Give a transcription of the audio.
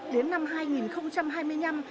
đến năm hai nghìn hai mươi năm